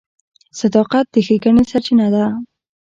• صداقت د ښېګڼې سرچینه ده.